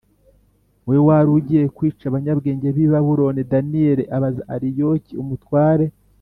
we wari ugiye kwica abanyabwenge b i Babuloni Daniyeli abaza Ariyoki umutware